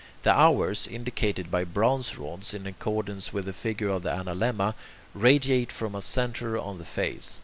The hours, indicated by bronze rods in accordance with the figure of the analemma, radiate from a centre on the face.